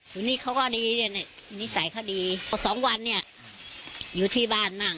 วันนี้เขาก็ดีเนี่ยนิสัยเขาดีสองวันเนี่ยอยู่ที่บ้านบ้าง